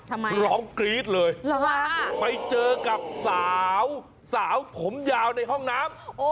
ร้องกรี๊ดเลยเหรอไปเจอกับสาวสาวผมยาวในห้องน้ำ